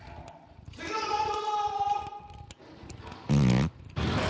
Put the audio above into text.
次の方、どうぞ。